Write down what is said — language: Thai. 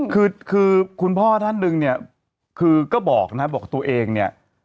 คือคือคุณพ่อท่านหนึ่งเนี่ยคือก็บอกนะบอกตัวเองเนี่ย